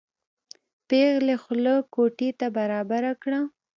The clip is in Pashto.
پېغلې خوله کوټې ته برابره کړه.